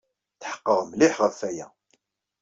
Tḥeqqeɣ mliḥ ɣef waya!